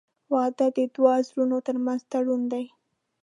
• واده د دوه زړونو تر منځ تړون دی.